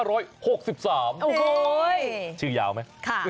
โอ้โหชื่อยาวไหม